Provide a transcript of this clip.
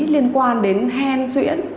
liên quan đến hen xuyễn